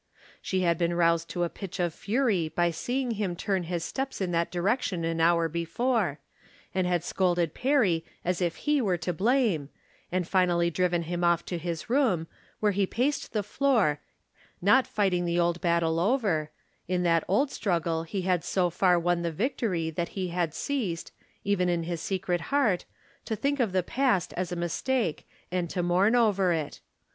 She had been roused to a pitch of fury by seeing him turn his steps in that direction an hour before, and had scolded Perry as if he were to blame, and finally driven him off to his room, where he paced the floor, not fighting the old battle over ; in that old struggle he had so far won the victory that he had ceased, even in his secret heart, to From Different Standpoints. 321 think of the past as a mistake and to mourn over it.